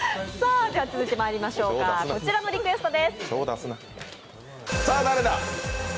続いてまいりましょうこちらのリクエストです。